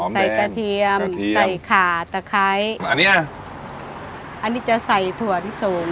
กระเทียมใส่ขาตะไคร้อันนี้อันนี้จะใส่ถั่วที่สูง